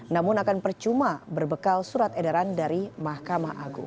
namun akan percuma berbekal surat edaran dari mahkamah agung